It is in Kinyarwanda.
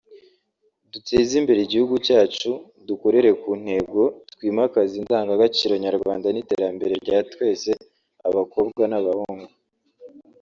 duteze imbere igihugu cyacu dukorere ku ntego twimakaze indangagaciro nyarwanda n’iterambere rya twese Abakobwa n’abahungu